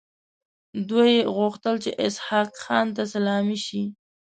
دوی غوښتل چې اسحق خان ته سلامي شي.